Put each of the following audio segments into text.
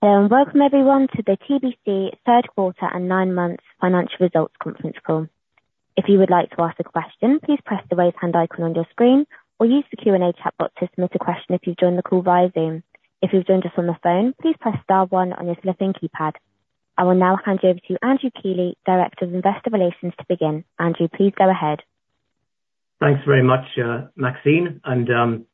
Welcome, everyone, to the TBC Third Quarter and Nine Months Financial Results conference call. If you would like to ask a question, please press the raise hand icon on your screen or use the Q&A chatbot to submit a question if you've joined the call via Zoom. If you've joined us on the phone, please press star one on your telephone keypad. I will now hand you over to Andrew Keeley, Director of Investor Relations, to begin. Andrew, please go ahead. Thanks very much, Maxine, and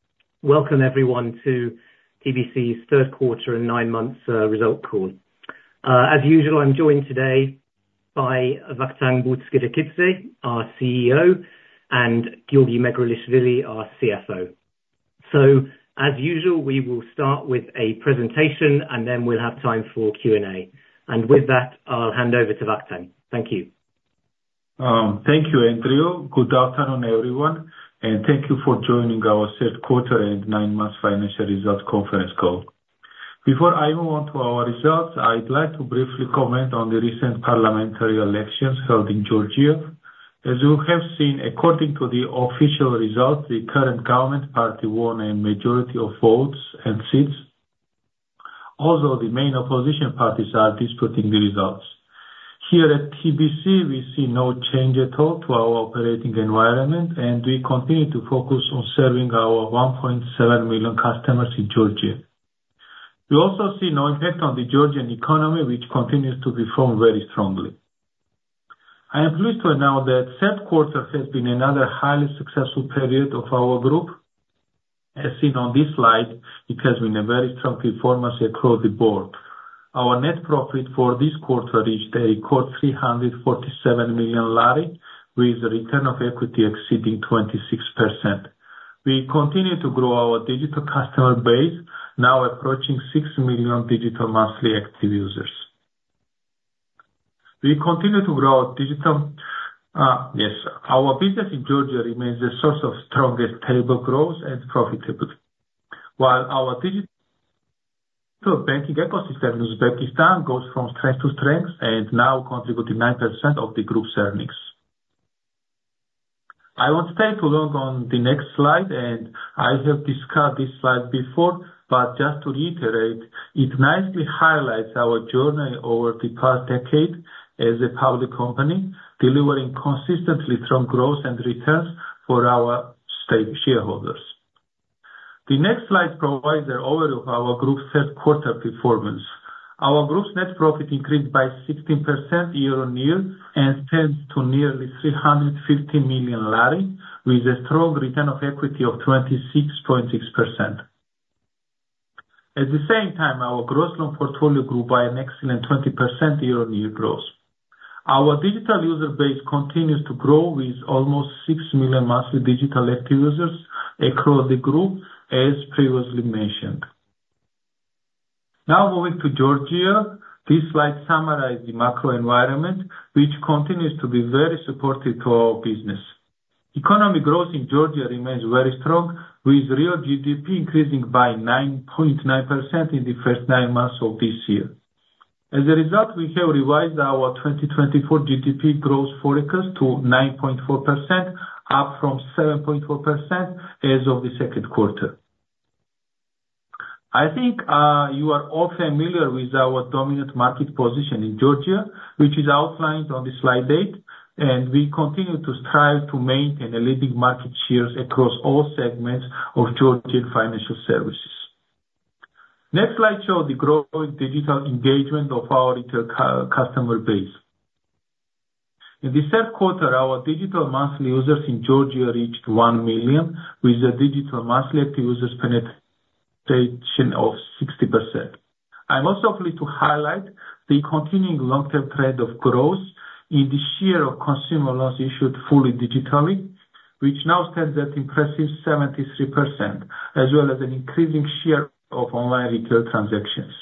welcome, everyone, to TBC's Third Quarter and Nine Months Results call. As usual, I'm joined today by Vakhtang Butskhrikidze, our CEO, and Giorgi Megrelishvili, our CFO. So, as usual, we will start with a presentation, and then we'll have time for Q&A. And with that, I'll hand over to Vakhtang. Thank you. Thank you, Andrew. Good afternoon, everyone, and thank you for joining our Third Quarter and Nine Months Financial Results conference call. Before I move on to our results, I'd like to briefly comment on the recent parliamentary elections held in Georgia. As you have seen, according to the official results, the current government party won a majority of votes and seats, although the main opposition parties are disputing the results. Here at TBC, we see no change at all to our operating environment, and we continue to focus on serving our 1.7 million customers in Georgia. We also see no impact on the Georgian economy, which continues to perform very strongly. I am pleased to announce that the third quarter has been another highly successful period of our group. As seen on this slide, it has been a very strong performance across the board. Our net profit for this quarter reached a record GEL 347 million, with a return on equity exceeding 26%. We continue to grow our digital customer base, now approaching 6 million digital monthly active users. Yes, our business in Georgia remains the source of strongest stable growth and profitability, while our digital banking ecosystem in Uzbekistan goes from strength to strength and now contributing 9% of the group's earnings. I won't stay too long on the next slide, and I have discussed this slide before, but just to reiterate, it nicely highlights our journey over the past decade as a public company, delivering consistently strong growth and returns for our stakeholders. The next slide provides an overview of our group's third quarter performance. Our group's net profit increased by 16% year-on-year and stands to nearly GEL 350 million, with a strong return on equity of 26.6%. At the same time, our gross loan portfolio grew by an excellent 20% year-on-year growth. Our digital user base continues to grow, with almost six million monthly digital active users across the group, as previously mentioned. Now, moving to Georgia, this slide summarizes the macro environment, which continues to be very supportive to our business. Economic growth in Georgia remains very strong, with real GDP increasing by 9.9% in the first nine months of this year. As a result, we have revised our 2024 GDP growth forecast to 9.4%, up from 7.4% as of the second quarter. I think you are all familiar with our dominant market position in Georgia, which is outlined on the slide deck, and we continue to strive to maintain a leading market share across all segments of Georgian financial services. The next slide shows the growing digital engagement of our retail customer base. In the third quarter, our digital monthly users in Georgia reached 1 million, with a digital monthly active user penetration of 60%. I'm also pleased to highlight the continuing long-term trend of growth in the share of consumer loans issued fully digitally, which now stands at an impressive 73%, as well as an increasing share of online retail transactions.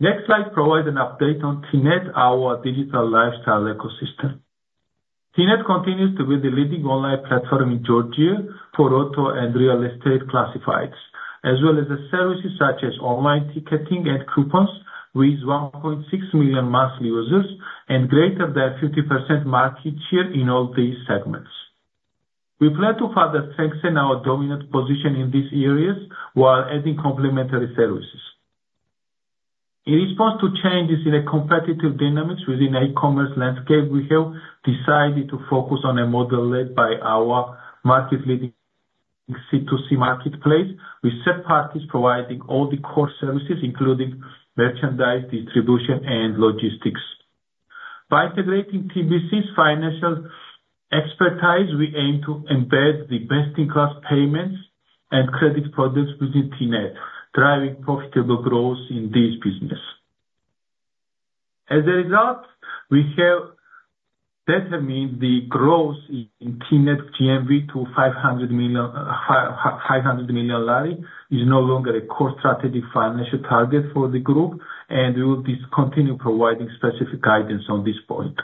The next slide provides an update on TNET, our digital lifestyle ecosystem. TNET continues to be the leading online platform in Georgia for auto and real estate classifieds, as well as services such as online ticketing and coupons, with 1.6 million monthly users and greater than 50% market share in all these segments. We plan to further strengthen our dominant position in these areas while adding complementary services. In response to changes in the competitive dynamics within the e-commerce landscape, we have decided to focus on a model led by our market-leading C2C marketplace, with third parties providing all the core services, including merchandise, distribution, and logistics. By integrating TBC's financial expertise, we aim to embed the best-in-class payments and credit products within TNET, driving profitable growth in this business. As a result, we have determined the growth in TNET GMV to GEL 500 million is no longer a core strategic financial target for the group, and we will discontinue providing specific guidance on this point.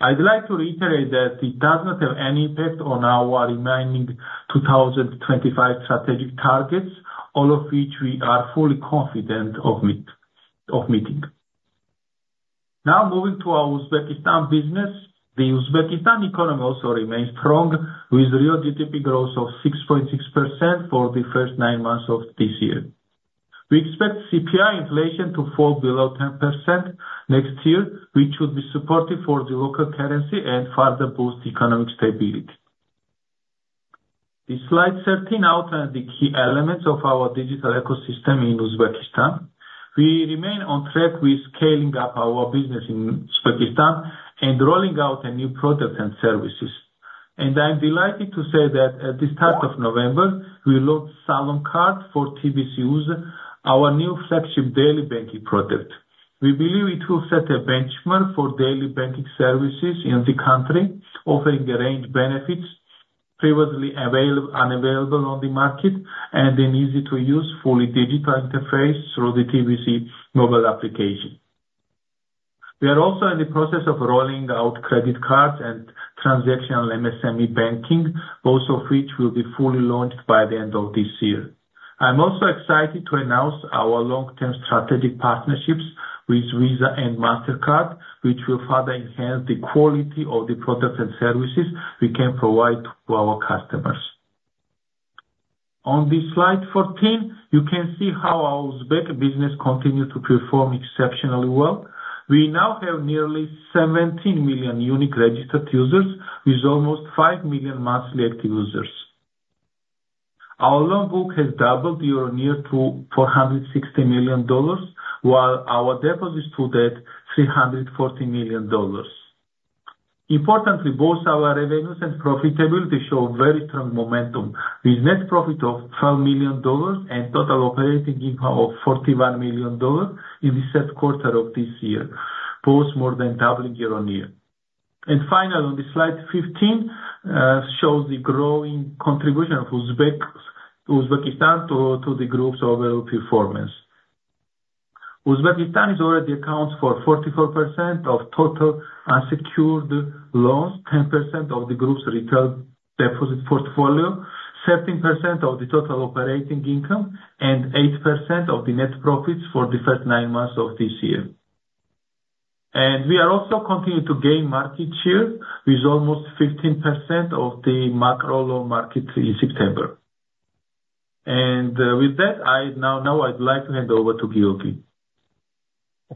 I'd like to reiterate that it does not have any impact on our remaining 2025 strategic targets, all of which we are fully confident of meeting. Now, moving to our Uzbekistan business, the Uzbekistan economy also remains strong, with real GDP growth of 6.6% for the first nine months of this year. We expect CPI inflation to fall below 10% next year, which would be supportive for the local currency and further boost economic stability. This slide 13 outlines the key elements of our digital ecosystem in Uzbekistan. We remain on track with scaling up our business in Uzbekistan and rolling out a new product and services. I'm delighted to say that at the start of November, we launched Salom Card for TBC users, our new flagship daily banking product. We believe it will set a benchmark for daily banking services in the country, offering a range of benefits previously unavailable on the market and an easy-to-use, fully digital interface through the TBC mobile application. We are also in the process of rolling out credit cards and transactional MSME banking, both of which will be fully launched by the end of this year. I'm also excited to announce our long-term strategic partnerships with Visa and Mastercard, which will further enhance the quality of the products and services we can provide to our customers. On this slide 14, you can see how our Uzbek business continues to perform exceptionally well. We now have nearly 17 million unique registered users, with almost 5 million monthly active users. Our loan book has doubled year-on-year to $460 million, while our deposits to date are $340 million. Importantly, both our revenues and profitability show very strong momentum, with net profit of $12 million and total operating income of $41 million in the third quarter of this year, both more than doubling year-on-year. And finally, on this slide 15, it shows the growing contribution of Uzbekistan to the group's overall performance. Uzbekistan already accounts for 44% of total unsecured loans, 10% of the group's retail deposit portfolio, 17% of the total operating income, and 8% of the net profits for the first nine months of this year. And we are also continuing to gain market share, with almost 15% of the macro loan market in September. And with that, now I'd like to hand over to Giorgi.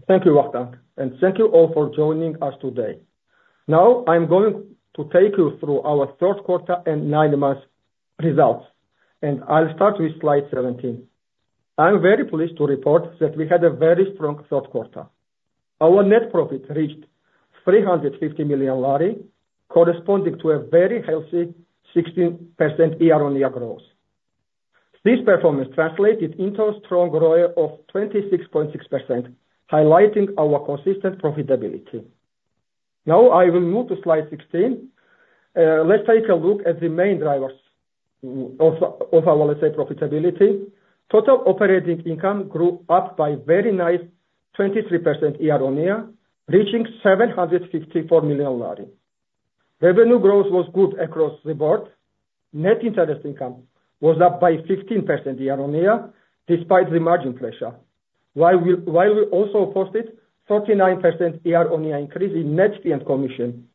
Thank you, Vakhtang, and thank you all for joining us today. Now, I'm going to take you through our third quarter and nine months results, and I'll start with slide 17. I'm very pleased to report that we had a very strong third quarter. Our net profit reached GEL 350 million, corresponding to a very healthy 16% year-on-year growth. This performance translated into a strong ROE of 26.6%, highlighting our consistent profitability. Now, I will move to slide 16. Let's take a look at the main drivers of our profitability. Total operating income grew up by a very nice 23% year-on-year, reaching GEL 754 million. Revenue growth was good across the board. Net interest income was up by 15% year-on-year, despite the margin pressure, while we also posted a 39% year-on-year increase in net fee and commission,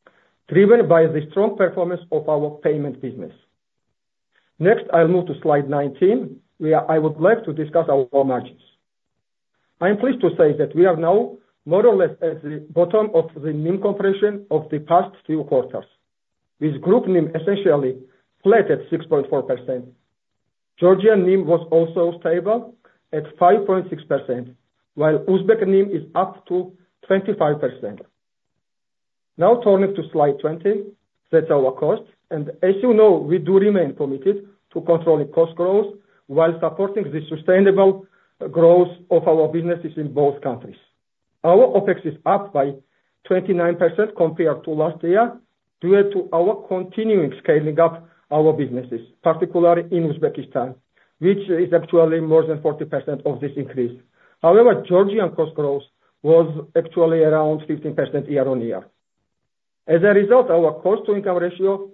driven by the strong performance of our payments business. Next, I'll move to slide 19, where I would like to discuss our margins. I'm pleased to say that we are now more or less at the bottom of the NIM compression of the past few quarters, with Group NIM essentially flat at 6.4%. Georgian NIM was also stable at 5.6%, while Uzbek NIM is up to 25%. Now, turning to slide 20, that's our cost. And as you know, we do remain committed to controlling cost growth while supporting the sustainable growth of our businesses in both countries. Our OpEx is up by 29% compared to last year, due to our continuing scaling up our businesses, particularly in Uzbekistan, which is actually more than 40% of this increase. However, Georgian cost growth was actually around 15% year-on-year. As a result, our cost-to-income ratio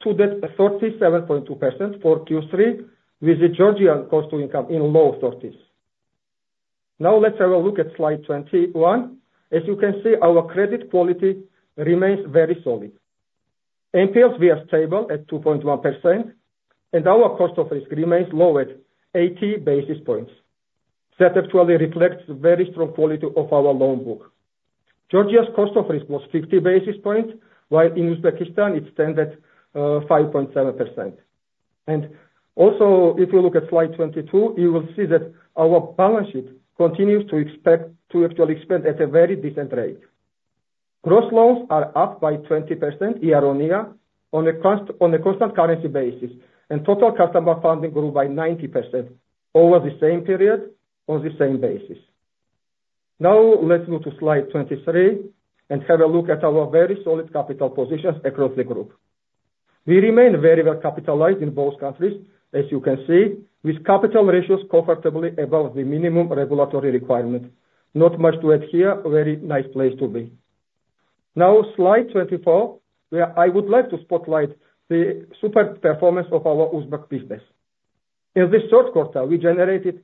stood at 37.2% for Q3, with the Georgian cost-to-income in low 30s%. Now, let's have a look at slide 21. As you can see, our credit quality remains very solid. NPLs were stable at 2.1%, and our cost of risk remains low at 80 basis points. That actually reflects the very strong quality of our loan book. Georgia's cost of risk was 50 basis points, while in Uzbekistan, it stands at 5.7%. And also, if you look at slide 22, you will see that our balance sheet continues to actually expand at a very decent rate. Gross loans are up by 20% year-on-year on a constant currency basis, and total customer funding grew by 90% over the same period on the same basis. Now, let's move to slide 23 and have a look at our very solid capital positions across the group. We remain very well capitalized in both countries, as you can see, with capital ratios comfortably above the minimum regulatory requirement. Not much to add here, a very nice place to be. Now, slide 24, where I would like to spotlight the super performance of our Uzbek business. In this third quarter, we generated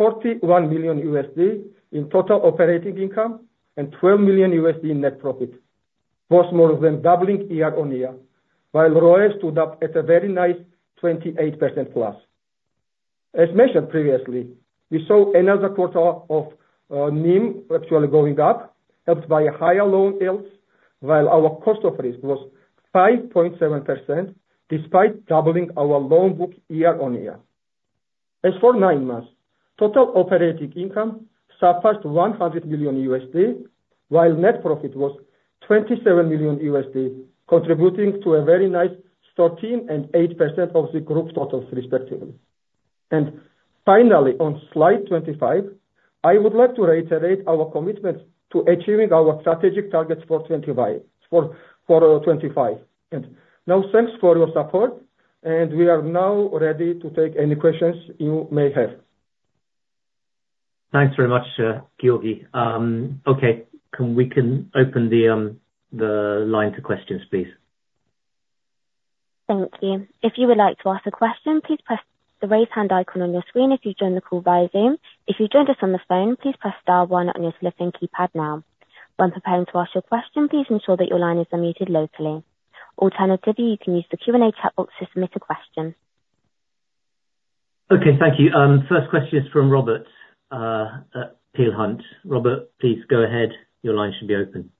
$41 million in total operating income and $12 million in net profit, both more than doubling year-on-year, while ROE stood up at a very nice 28% plus. As mentioned previously, we saw another quarter of NIM actually going up, helped by higher loan yields, while our cost of risk was 5.7%, despite doubling our loan book year-on-year. As for nine months, total operating income surpassed $100 million, while net profit was $27 million, contributing to a very nice 13% and 8% of the group totals, respectively. And finally, on slide 25, I would like to reiterate our commitment to achieving our strategic targets for 2025. And now, thanks for your support, and we are now ready to take any questions you may have. Thanks very much, Giorgi. Okay, we can open the line to questions, please. Thank you. If you would like to ask a question, please press the raise hand icon on your screen if you've joined the call via Zoom. If you've joined us on the phone, please press star one on your telephone keypad now. When preparing to ask your question, please ensure that your line is unmuted locally. Alternatively, you can use the Q&A chat box to submit a question. Okay, thank you. First question is from Robert Sage from Peel Hunt. Robert, please go ahead. Your line should be open.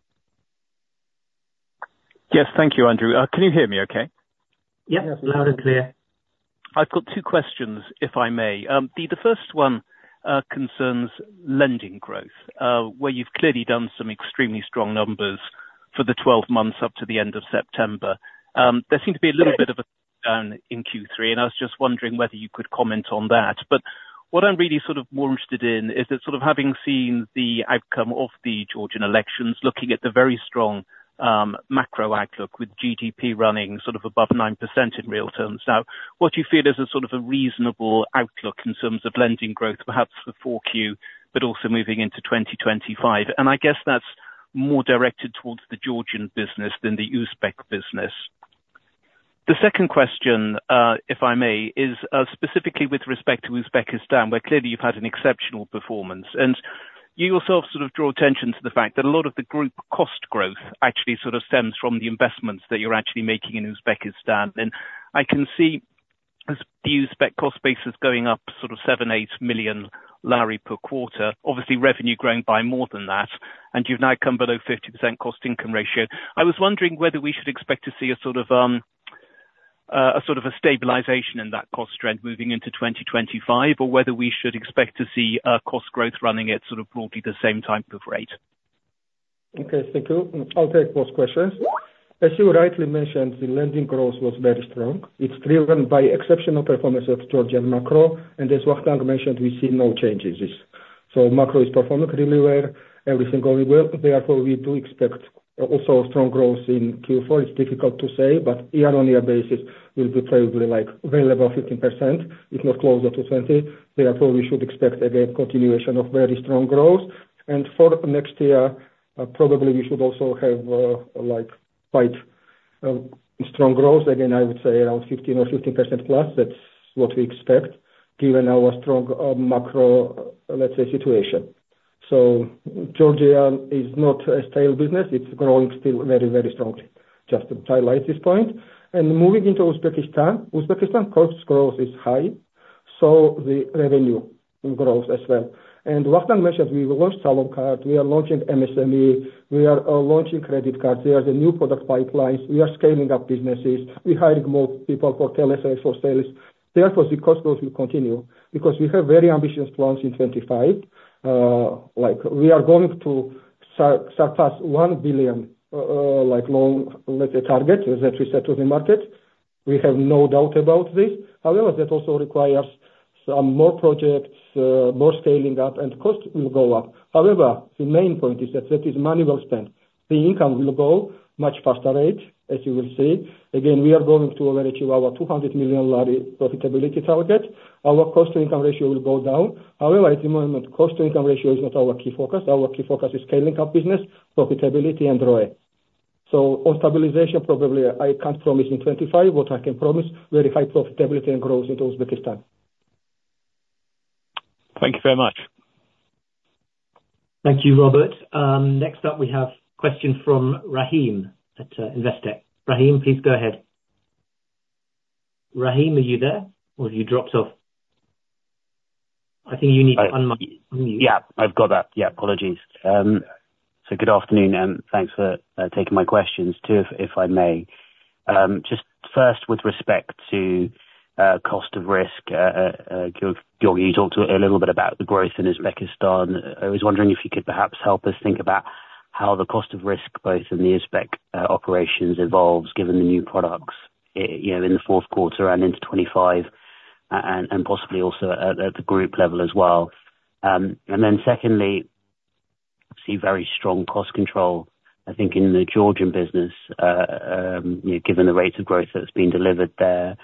Yes, thank you, Andrew. Can you hear me okay? Yes, loud and clear. I've got two questions, if I may. The first one concerns lending growth, where you've clearly done some extremely strong numbers for the 12 months up to the end of September. There seemed to be a little bit of a down in Q3, and I was just wondering whether you could comment on that. But what I'm really sort of more interested in is that sort of having seen the outcome of the Georgian elections, looking at the very strong macro outlook with GDP running sort of above 9% in real terms. Now, what do you feel is a sort of a reasonable outlook in terms of lending growth, perhaps for 4Q, but also moving into 2025? And I guess that's more directed towards the Georgian business than the Uzbek business. The second question, if I may, is specifically with respect to Uzbekistan, where clearly you've had an exceptional performance. You yourself sort of draw attention to the fact that a lot of the group cost growth actually sort of stems from the investments that you're actually making in Uzbekistan. I can see the Uzbek cost basis going up sort of GEL 7 million-GEL 8 million per quarter, obviously revenue growing by more than that, and you've now come below 50% cost income ratio. I was wondering whether we should expect to see a sort of a stabilization in that cost trend moving into 2025, or whether we should expect to see cost growth running at sort of broadly the same type of rate. Okay, thank you. I'll take both questions. As you rightly mentioned, the lending growth was very strong. It's driven by exceptional performance of Georgian macro, and as Vakhtang mentioned, we see no changes. So macro is performing really well. Everything going well. Therefore, we do expect also strong growth in Q4. It's difficult to say, but year-on-year basis will be probably like very low 15%, if not closer to 20%. Therefore, we should expect again continuation of very strong growth. And for next year, probably we should also have quite strong growth. Again, I would say around 15% or 15%+. That's what we expect, given our strong macro, let's say, situation. So Georgia is not a stale business. It's growing still very, very strongly, just to highlight this point. And moving into Uzbekistan, Uzbekistan's cost growth is high, so the revenue grows as well. Vakhtang mentioned we launched Salom Card. We are launching MSME. We are launching credit cards. There are the new product pipelines. We are scaling up businesses. We're hiring more people for telesales for sales. Therefore, the cost growth will continue because we have very ambitious plans in 2025. We are going to surpass one billion loan, let's say, target that we set on the market. We have no doubt about this. However, that also requires some more projects, more scaling up, and cost will go up. However, the main point is that that is money well spent. The income will go at a much faster rate, as you will see. Again, we are going to achieve our GEL 200 million profitability target. Our cost-to-income ratio will go down. However, at the moment, cost-to-income ratio is not our key focus. Our key focus is scaling up business, profitability, and ROE. So on stabilization, probably I can't promise in 2025, but I can promise very high profitability and growth into Uzbekistan. Thank you very much. Thank you, Robert. Next up, we have a question from Rahim at Investec. Rahim, please go ahead. Rahim, are you there, or have you dropped off? I think you need to unmute. Yeah, I've got that. Yeah, apologies. So good afternoon, and thanks for taking my questions too, if I may. Just first, with respect to cost of risk, Giorgi, you talked a little bit about the growth in Uzbekistan. I was wondering if you could perhaps help us think about how the cost of risk both in the Uzbek operations evolves, given the new products in the fourth quarter and into 2025, and possibly also at the group level as well. And then secondly, I see very strong cost control, I think, in the Georgian business, given the rates of growth that's been delivered there.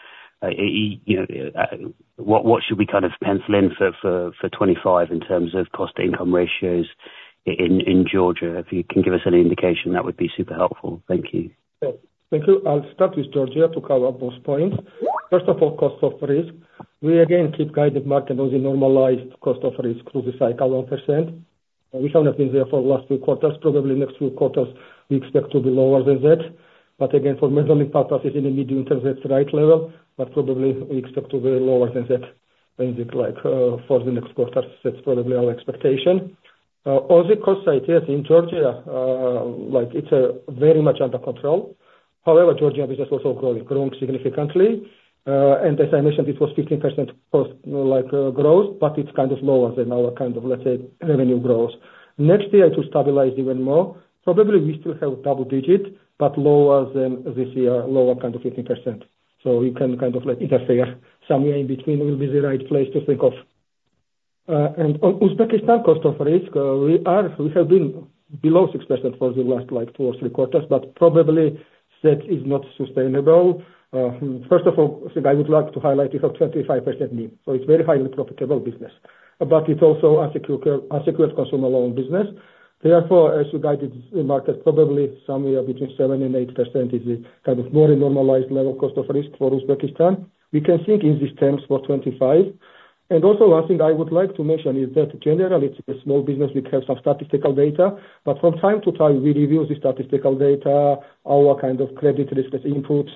What should we kind of pencil in for 2025 in terms of cost-to-income ratios in Georgia? If you can give us any indication, that would be super helpful. Thank you. Thank you. I'll start with Georgia to cover both points. First of all, cost of risk. We are again guiding the market on the normalized cost of risk through the cycle 1%. We haven't been there for the last few quarters. Probably next few quarters, we expect to be lower than that. But again, to maintain impact on profits in the medium term, that's the right level, but probably we expect to be lower than that basically for the next quarters. That's probably our expectation. On the cost side, yes, in Georgia, it's very much under control. However, Georgian business is also growing, growing significantly. And as I mentioned, it was 15% cost growth, but it's kind of lower than our kind of, let's say, revenue growth. Next year, to stabilize even more, probably we still have double-digit, but lower than this year, lower kind of 15%. So you can kind of infer somewhere in between will be the right place to think of. And on Uzbekistan cost of risk, we have been below 6% for the last two or three quarters, but probably that is not sustainable. First of all, I would like to highlight we have 25% NIM. So it's a very highly profitable business, but it's also an unsecured consumer loan business. Therefore, as you gauge the market, probably somewhere between 7%-8% is a kind of more normalized level cost of risk for Uzbekistan. We can think in these terms for 2025. And also one thing I would like to mention is that generally, it's a small business. We have some statistical data, but from time to time, we review the statistical data, our kind of credit risk as inputs,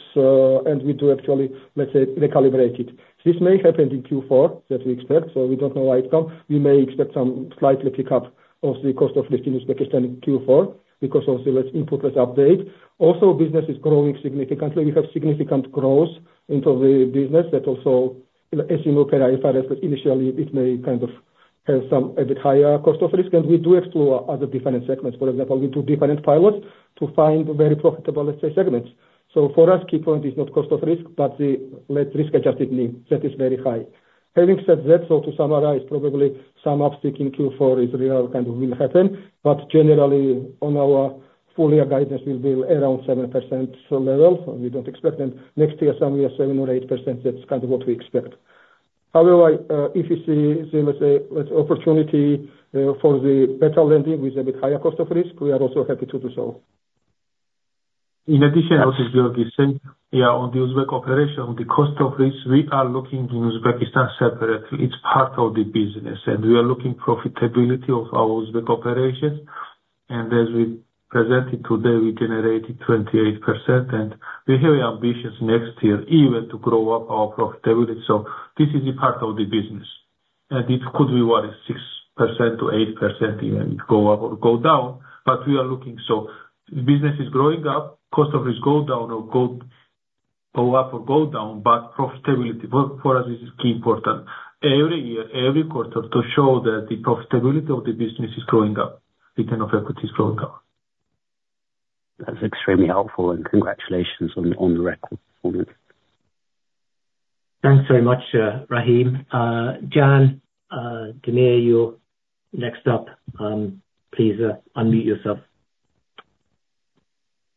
and we do actually, let's say, recalibrate it. This may happen in Q4 that we expect, so we don't know outcome. We may expect some slight pick-up of the cost of risk in Uzbekistan in Q4 because of the inputs update. Also, business is growing significantly. We have significant growth into the business that also, as you know, if I referred initially, it may kind of have a bit higher cost of risk. And we do explore other different segments. For example, we do different pilots to find very profitable, let's say, segments. So for us, key point is not cost of risk, but the risk-adjusted NIM. That is very high. Having said that, so to summarize, probably some up-tick in Q4 is real kind of will happen, but generally, on our full year guidance, we'll be around 7% level. We don't expect that next year, somewhere 7%-8%. That's kind of what we expect. However, if you see the opportunity for the better lending with a bit higher cost of risk, we are also happy to do so. In addition, as Giorgi said, yeah, on the Uzbek operation, the cost of risk, we are looking in Uzbekistan separately. It's part of the business, and we are looking at profitability of our Uzbek operations. And as we presented today, we generated 28%, and we have ambitions next year even to grow up our profitability. So this is a part of the business, and it could be worth 6%-8%, even go up or go down, but we are looking. So the business is growing up, cost of risk goes down or goes up or goes down, but profitability for us is key important every year, every quarter to show that the profitability of the business is growing up, return on equity is growing up. That's extremely helpful, and congratulations on the record performance. Thanks very much, Rahim. Can Demir, you're next up. Please unmute yourself.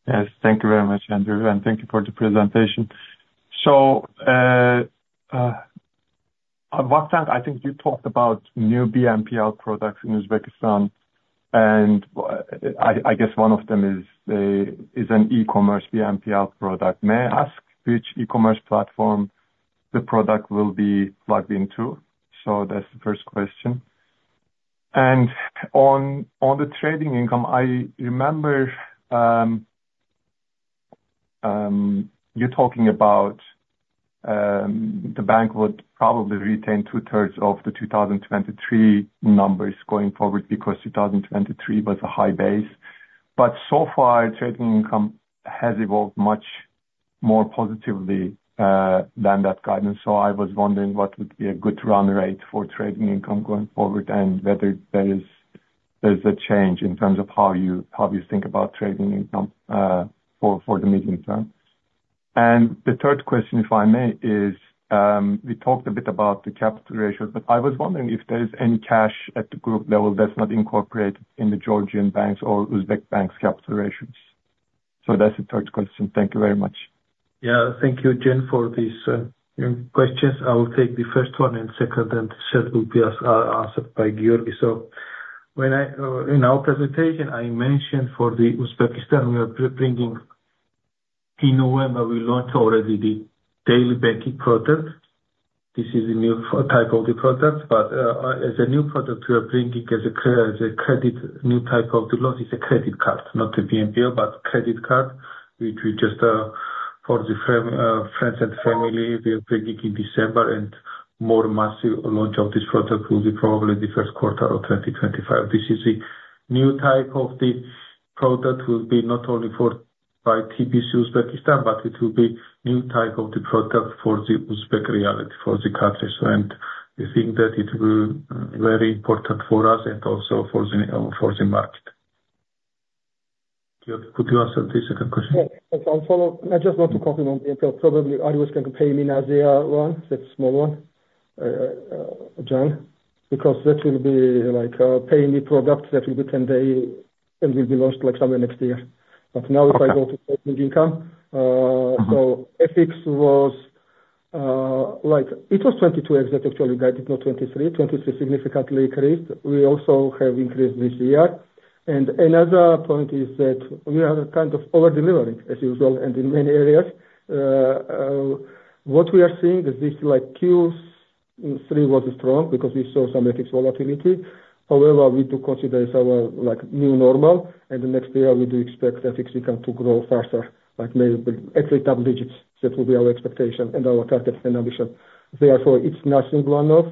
Yes, thank you very much, Andrew, and thank you for the presentation. Vakhtang, I think you talked about new BNPL products in Uzbekistan, and I guess one of them is an e-commerce BNPL product. May I ask which e-commerce platform the product will be plugged into? That's the first question. On the trading income, I remember you talking about the bank would probably retain two-thirds of the 2023 numbers going forward because 2023 was a high base. So far, trading income has evolved much more positively than that guidance. I was wondering what would be a good run rate for trading income going forward and whether there is a change in terms of how you think about trading income for the medium term. The third question, if I may, is we talked a bit about the capital ratios, but I was wondering if there is any cash at the group level that's not incorporated in the Georgian banks or Uzbek banks' capital ratios. So that's the third question. Thank you very much. Yeah, thank you, Can, for these questions. I will take the 1st one, and the 2nd and the 3rd will be answered by Giorgi. So in our presentation, I mentioned for Uzbekistan, we are bringing in November, we launched already the daily banking product. This is a new type of the product, but as a new product, we are bringing as a credit new type of the loan is a credit card, not a BNPL, but credit card, which we just for the friends and family, we are bringing in December, and more massive launch of this product will be probably the first quarter of 2025. This is a new type of the product will be not only for by TBC Uzbekistan, but it will be a new type of the product for the Uzbek reality for the countries. And we think that it will be very important for us and also for the market. Could you answer this second question? I just want to comment on the Payme, the small one, Can, because that will be like a Payme product that will be 10-day and will be launched like somewhere next year. But now if I go to trading income, so FX was like it was 22% that actually guided, not 23%. 23% significantly increased. We also have increased this year. And another point is that we are kind of over-delivering as usual and in many areas. What we are seeing is this Q3 was strong because we saw some FX volatility. However, we do consider it our new normal, and the next year we do expect FX income to grow faster, like maybe actually double-digits. That will be our expectation and our target and ambition. Therefore, it's nothing one-off.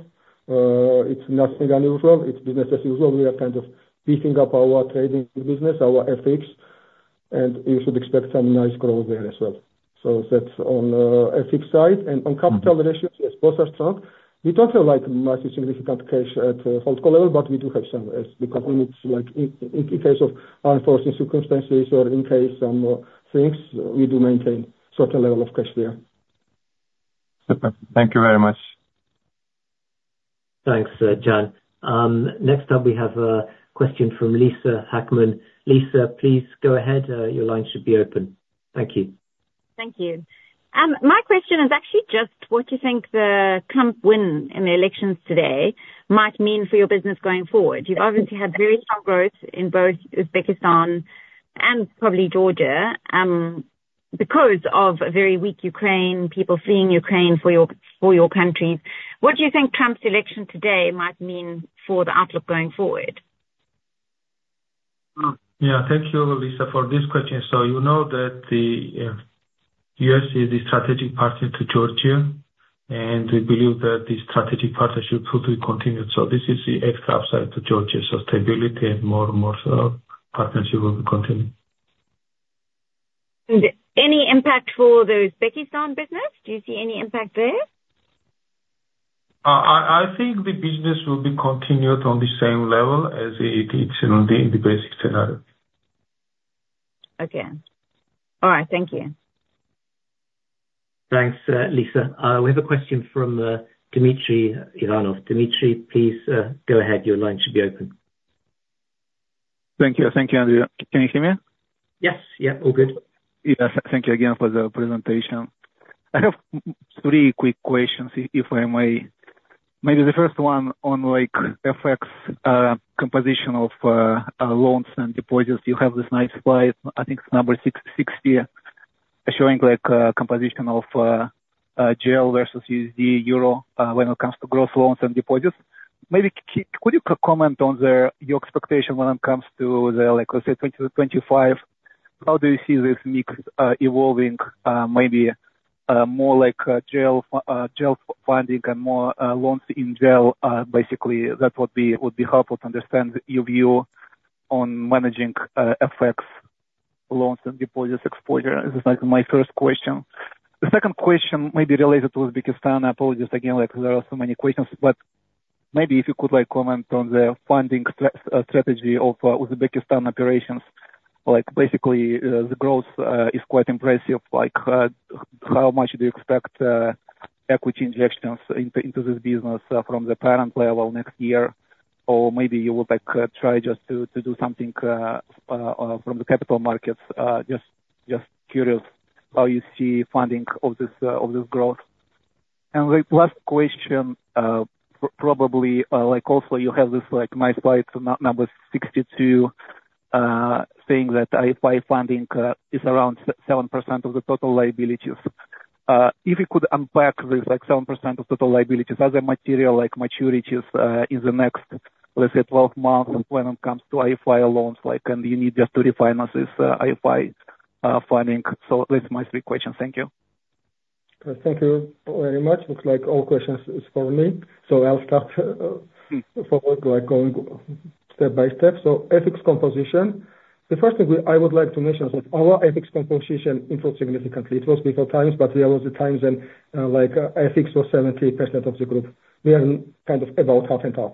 It's nothing unusual. It's business as usual. We are kind of beefing up our trading business, our FX, and you should expect some nice growth there as well. So that's on the FX side. And on capital ratios, yes, both are strong. We don't have like massive significant cash at hold level, but we do have some because in case of unforeseen circumstances or in case some things, we do maintain a certain level of cash there. Super. Thank you very much. Thanks, Can. Next up, we have a question from Lisa Hackman. Lisa, please go ahead. Your line should be open. Thank you. Thank you. My question is actually just what you think the Trump win in the elections today might mean for your business going forward. You've obviously had very strong growth in both Uzbekistan and probably Georgia because of a very weak Ukraine, people fleeing Ukraine for your countries. What do you think Trump's election today might mean for the outlook going forward? Yeah, thank you, Lisa, for this question. So you know that the U.S. is the strategic partner to Georgia, and we believe that this strategic partnership will be continued. So this is the extra upside to Georgia's stability and more and more partnership will be continued. Any impact for the Uzbekistan business? Do you see any impact there? I think the business will be continued on the same level as it is in the basic scenario. Okay. All right. Thank you. Thanks, Lisa. We have a question from Dmitry Ivanov. Dmitry, please go ahead. Your line should be open. Thank you. Thank you, Andrew. Can you hear me? Yes. Yeah. All good. Yes. Thank you again for the presentation. I have three quick questions, if I may. Maybe the first one on FX composition of loans and deposits. You have this nice slide. I think it's number 60, showing composition of GEL versus USD, Euro when it comes to gross loans and deposits. Maybe could you comment on your expectation when it comes to the 2025? How do you see this mix evolving, maybe more like GEL funding and more loans in GEL? Basically, that would be helpful to understand your view on managing FX loans and deposits exposure. This is my first question. The second question may be related to Uzbekistan. I apologize again. There are so many questions, but maybe if you could comment on the funding strategy of Uzbekistan operations. Basically, the growth is quite impressive. How much do you expect equity injections into this business from the parent level next year? Or maybe you would try just to do something from the capital markets. Just curious how you see funding of this growth? And the last question, probably also you have this nice slide, number 62, saying that IFI funding is around 7% of the total liabilities. If you could unpack this 7% of total liabilities, are there material maturities in the next, let's say, 12 months when it comes to IFI loans? And you need just to refinance this IFI funding. So that's my three questions. Thank you. Thank you very much. Looks like all questions is for me, so I'll start forward going step by step, so FX composition. The first thing I would like to mention is that our FX composition improved significantly. It was before times, but there was a time when FX was 70% of the group. We are kind of about half and half.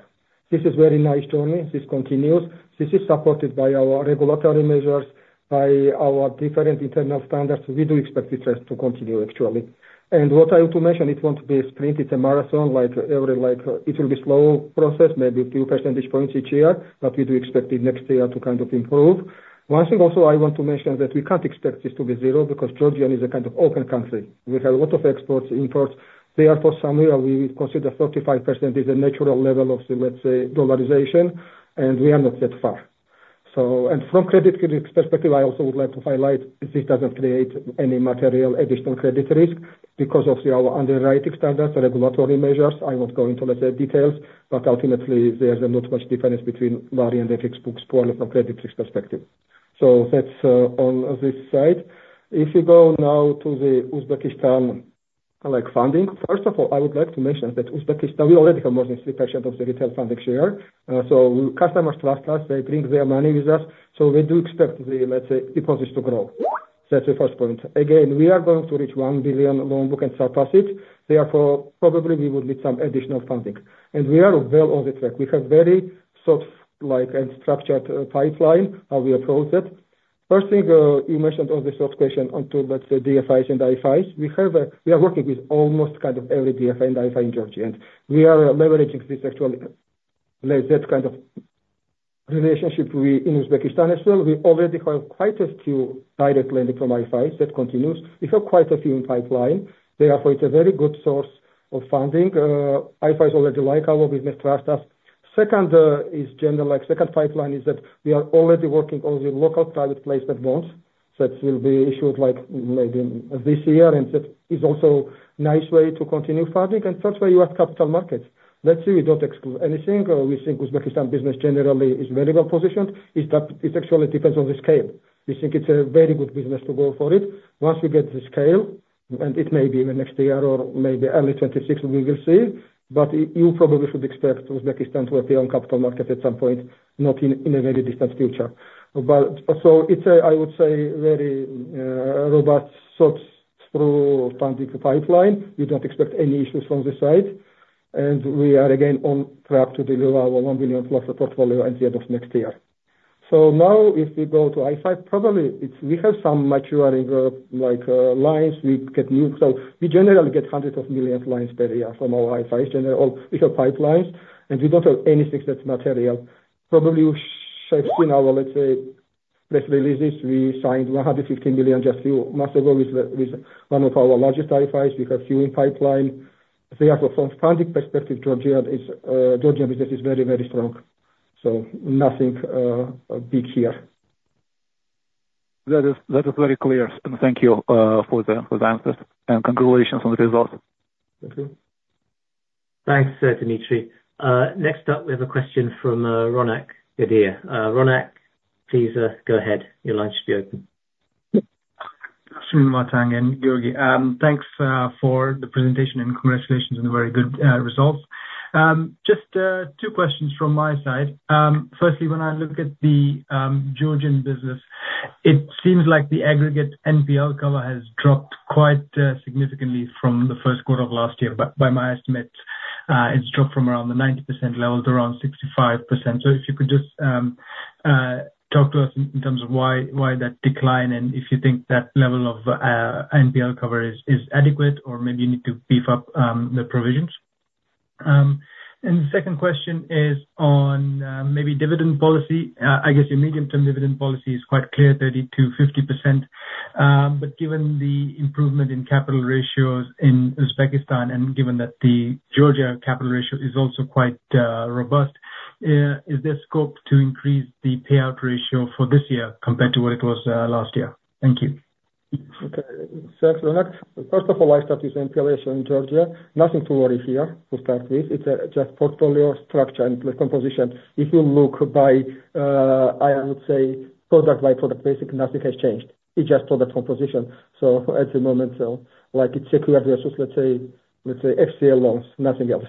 This is a very nice journey. This continues. This is supported by our regulatory measures, by our different internal standards. We do expect it to continue actually. And what I want to mention, it won't be a sprint. It's a marathon. It will be a slow process, maybe a few percentage points each year, but we do expect it next year to kind of improve. One thing also I want to mention is that we can't expect this to be zero because Georgia is a kind of open country. We have a lot of exports, imports. Therefore, somewhere we would consider 35% is a natural level of, let's say, dollarization, and we are not that far. And from credit risk perspective, I also would like to highlight this doesn't create any material additional credit risk because of our underwriting standards, regulatory measures. I won't go into, let's say, details, but ultimately, there's not much difference between Lari and FX books for credit risk perspective. So that's on this side. If you go now to the Uzbekistan funding, first of all, I would like to mention that Uzbekistan, we already have more than 3% of the retail funding share. So customers trust us. They bring their money with us. So we do expect the, let's say, deposits to grow. That's the first point. Again, we are going to reach $1 billion loan book and surpass it. Therefore, probably we would need some additional funding, and we are well on the track. We have a very solid and structured pipeline how we approach it. First thing you mentioned on the sort of question onto, let's say, DFIs and IFIs. We are working with almost kind of every DFI and IFI in Georgia, and we are leveraging this actually that kind of relationship in Uzbekistan as well. We already have quite a few direct lending from IFIs that continues. We have quite a few in pipeline. Therefore, it's a very good source of funding. IFIs already like our business, trust us. Second is generally second pipeline is that we are already working on the local private placement bonds. That will be issued maybe this year, and that is also a nice way to continue funding, and third way, you have capital markets. Let's say we don't exclude anything. We think Uzbekistan business generally is very well positioned. It actually depends on the scale. We think it's a very good business to go for it. Once we get the scale, and it may be even next year or maybe early 2026, we will see but you probably should expect Uzbekistan to appear on capital market at some point, not in a very distant future so it's, I would say, a very robust sort of funding pipeline. We don't expect any issues from the side and we are again on track to deliver our $1+ billion portfolio at the end of next year so now, if we go to IFI, probably we have some maturing lines. We get new so we generally get hundreds of millions lines per year from our IFIs. We have pipelines, and we don't have anything that's material. Probably you have seen our, let's say, press releases. We signed $150 million just a few months ago with one of our largest IFIs. We have few in pipeline. Therefore, from funding perspective, Georgia business is very, very strong. So nothing big here. That is very clear. And thank you for the answers. And congratulations on the results. Thank you. Thanks, Dmitry. Next up, we have a question from Ronak Gadhia. Ronak, please go ahead. Your line should be open. Vakhtang and Giorgi. Thanks for the presentation and congratulations on the very good results. Just two questions from my side. Firstly, when I look at the Georgian business, it seems like the aggregate NPL cover has dropped quite significantly from the first quarter of last year. By my estimate, it's dropped from around the 90% level to around 65%. So if you could just talk to us in terms of why that decline and if you think that level of NPL cover is adequate or maybe you need to beef up the provisions, and the second question is on maybe dividend policy. I guess your medium-term dividend policy is quite clear, 30%-50%. But given the improvement in capital ratios in Uzbekistan and given that the Georgia capital ratio is also quite robust, is there scope to increase the payout ratio for this year compared to what it was last year? Thank you. Okay. Thanks, Ronak. First of all, I start with NPL ratio in Georgia. Nothing to worry here, to start with. It's just portfolio structure and composition. If you look by, I would say, product by product basis, nothing has changed. It's just product composition. So at the moment, it's secured versus, let's say, FCL loans, nothing else.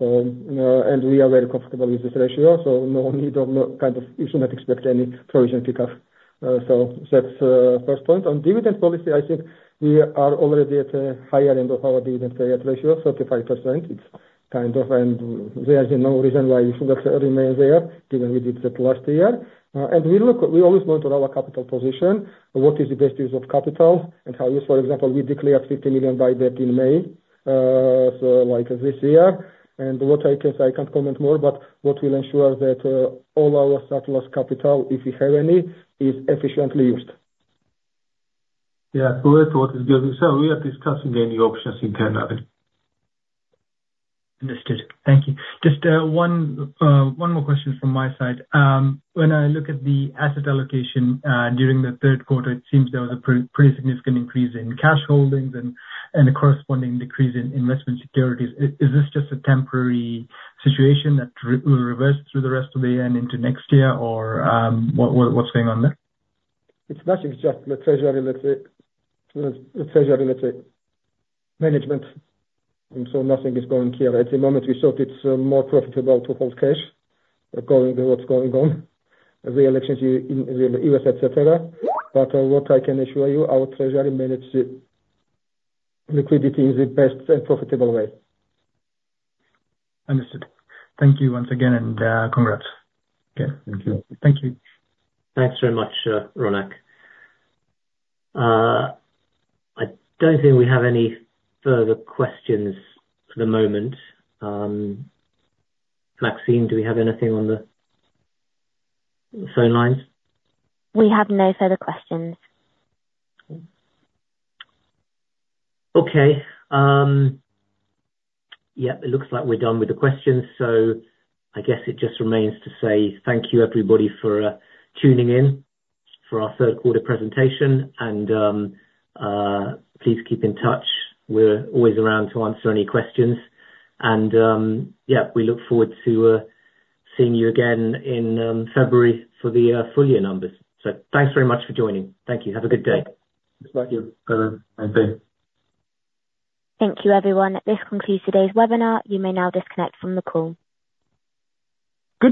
And we are very comfortable with this ratio. So no need of kind of, you should not expect any provision pickup. So that's the first point. On dividend policy, I think we are already at a higher end of our dividend payout ratio, 35%. It's kind of, and there is no reason why we should not remain there, given we did that last year. And we always go into our capital position, what is the best use of capital, and how useful. For example, we declared GEL 50 million dividend in May, so like this year. And what I can say, I can't comment more, but what will ensure that all our surplus capital, if we have any, is efficiently used. Yeah. To what is being said, we are discussing any options internally. Understood. Thank you. Just one more question from my side. When I look at the asset allocation during the third quarter, it seems there was a pretty significant increase in cash holdings and a corresponding decrease in investment securities. Is this just a temporary situation that will reverse through the rest of the year and into next year, or what's going on there? It's nothing. It's just the treasury management. So nothing is going here. At the moment, we thought it's more profitable to hold cash going to what's going on, the elections in the U.S., etc. But what I can assure you, our treasury manages liquidity in the best and profitable way. Understood. Thank you once again, and congrats. Thank you. Thank you. Thanks very much, Ronak. I don't think we have any further questions for the moment. Maxine, do we have anything on the phone lines? We have no further questions. Okay. Yeah, it looks like we're done with the questions. So I guess it just remains to say thank you, everybody, for tuning in for our third quarter presentation. And please keep in touch. We're always around to answer any questions. And yeah, we look forward to seeing you again in February for the full year numbers. So thanks very much for joining. Thank you. Have a good day. Thank you. Bye-bye. Thank you. Thank you, everyone. This concludes today's webinar. You may now disconnect from the call.